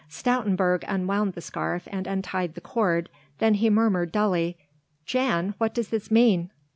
Stoutenburg unwound the scarf and untied the cord, then he murmured dully: "Jan? What does this mean?"